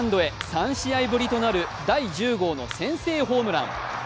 ３試合ぶりとなる第１０号の先制ホームラン。